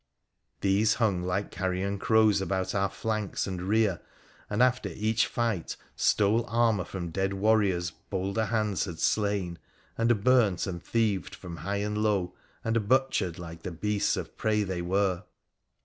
These hung like carrion crows about our flanks and rear, and, after each fight, stole armour from dead warriors bolder hands had slain, and burnt, and thieved from high and low, and butchered, like the beasts of prey they were.